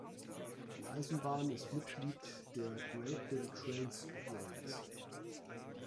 Die Eisenbahn ist Mitglied der Great Little Trains of Wales.